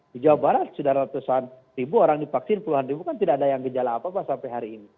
di jawa barat sudah ratusan ribu orang divaksin puluhan ribu kan tidak ada yang gejala apa apa sampai hari ini